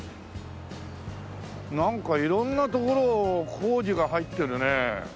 なんか色んな所を工事が入ってるね。